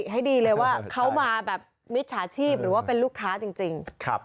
หรือว่าเป็นลูกค้าจริง